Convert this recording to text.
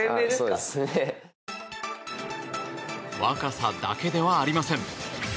若さだけではありません。